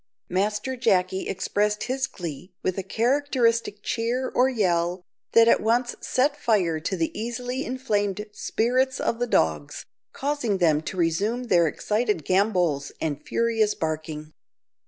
Master Jacky expressed his glee with a characteristic cheer or yell, that at once set fire to the easily inflamed spirits of the dogs, causing them to resume their excited gambols and furious barking.